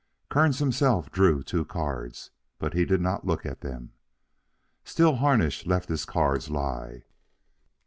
Kearns himself drew two cards, but did not look at them. Still Harnish let his cards lie.